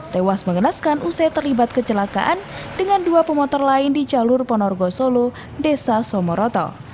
tewas mengenaskan usai terlibat kecelakaan dengan dua pemotor lain di jalur ponorogo solo desa somoroto